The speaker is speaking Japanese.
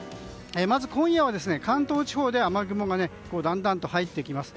まず今夜は関東地方では雨雲がだんだんと入ってきます。